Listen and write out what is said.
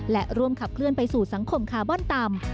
และร่วมขับเคลื่อนไปสู่สังคมคาร์บอนต่ำ